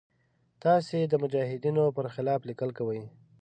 تاسې د مجاهدینو پر خلاف لیکل کوئ.